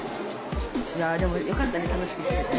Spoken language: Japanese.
いやでもよかったね楽しくひけて。